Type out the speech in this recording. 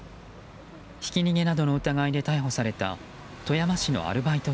ひき逃げなどの疑いで逮捕された富山市のアルバイト